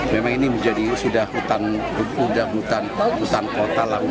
memang ini menjadi sudah hutan kota lah